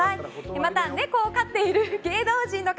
また、ネコを飼っている芸能人の方